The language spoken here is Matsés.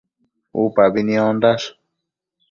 Upabi niondash